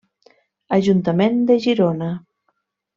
Ajuntament de Girona.